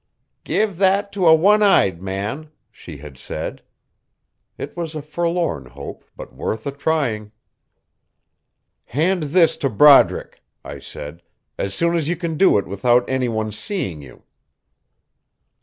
"Give that to a one eyed man," she had said. It was a forlorn hope, but worth the trying. "Hand this to Broderick," I said, "as soon as you can do it without any one's seeing you."